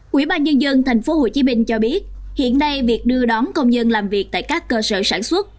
quỹ ban nhân dân tp hcm cho biết hiện nay việc đưa đón công nhân làm việc tại các cơ sở sản xuất